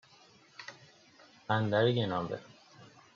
بندر گناوه